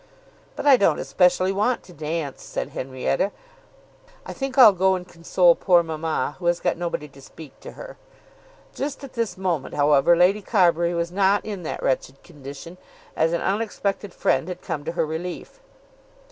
"But I don't especially want to dance," said Henrietta. "I think I'll go and console poor mamma, who has got nobody to speak to her." Just at this moment, however, Lady Carbury was not in that wretched condition, as an unexpected friend had come to her relief.